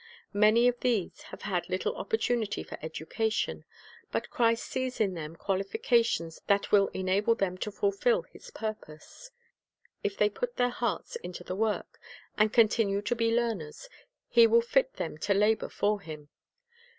Many of these have had little opportunity for education; but Christ sees in them qualifications that will enable them to fulfil His purpose. If they put their hearts into the work, and continue to be learners, He will fit them to labor for Him.